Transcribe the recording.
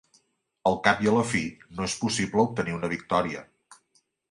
Al cap i a la fi, no és possible obtenir una victòria.